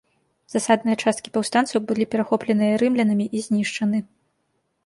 Засадныя часткі паўстанцаў былі перахопленыя рымлянамі і знішчаны.